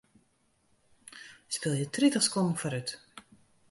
Spylje tritich sekonden foarút.